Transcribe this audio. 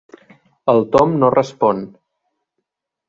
El Tom no respon.